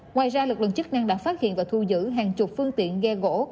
ngoài ra lực lượng chức năng đã phát hiện và thu giữ hàng chục phương tiện ghe gỗ